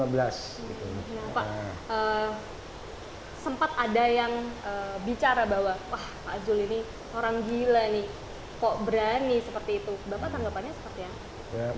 pak sempat ada yang bicara bahwa pak zul ini orang gila nih kok berani seperti itu bapak tanggapannya seperti apa